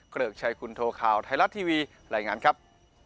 เกริกชัยคุณโทข่าวไทยรัฐทีวีรายงานครับ